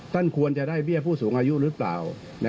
ท่านควรจะได้เบี้ยผู้สูงอายุหรือเปล่า